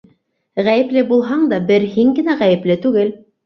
Ғәйепле булһаң да бер һин генә ғәйепле түгел.